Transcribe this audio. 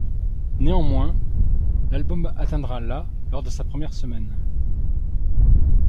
Néanmoins, l'album atteindra la lors de sa première semaine.